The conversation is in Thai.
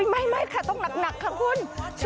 ไม่ค่ะต้องหนักค่ะคุณ